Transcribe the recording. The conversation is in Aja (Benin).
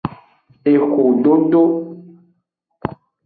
Exododo.